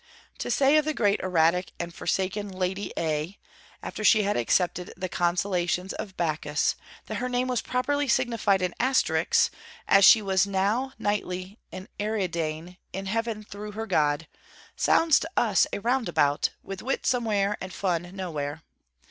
To say of the great erratic and forsaken Lady A, after she had accepted the consolations of Bacchus, that her name was properly signified in asterisks 'as she was now nightly an Ariadne in heaven through her God,' sounds to us a roundabout, with wit somewhere and fun nowhere.